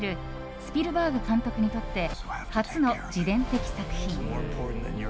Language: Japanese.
スピルバーグ監督にとって初の自伝的作品。